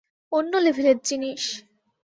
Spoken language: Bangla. অন্য লেভেলের জিনিস।